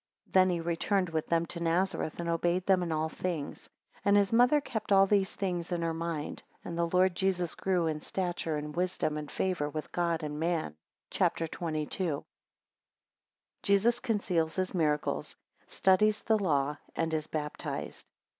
27 Then he returned with them to Nazareth, and obeyed them in all things. 28 And his mother kept all these things in her mind; 29 And the Lord Jesus grew in stature and wisdom, and favour with God and man. CHAPTER XXII. 1 Jesus conceals his miracles, 2 studies the law, 3 and is baptized.